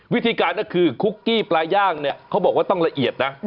วิธีการก็คือคุกกี้ปลาย่างเนี่ยเขาบอกว่าต้องละเอียดนะ